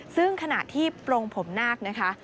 ซึ่งขณะที่โปรงผมนาคนะคะ